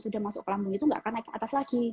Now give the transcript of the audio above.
sudah masuk ke lambung itu nggak akan naik ke atas lagi